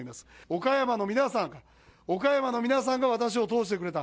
岡山の皆さん、岡山の皆さんが私を通してくれた。